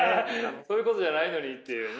そういうことじゃないのにっていうね。